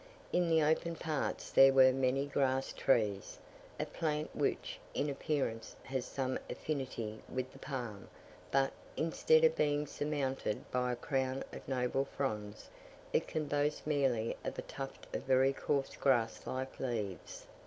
In the open parts there were many grass trees, a plant which, in appearance, has some affinity with the palm; but, instead of being surmounted by a crown of noble fronds, it can boast merely of a tuft of very coarse grass like leaves.